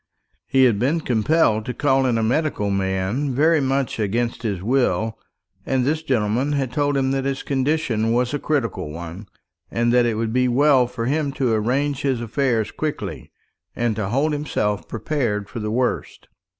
He had been compelled to call in a medical man, very much against his will; and this gentleman had told him that his condition was a critical one, and that it would be well for him to arrange his affairs quickly, and to hold himself prepared for the worst.